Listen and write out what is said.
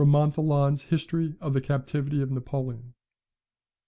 MONTHOLON'S HISTORY OF THE CAPTIVITY OF NAPOLEON, iv.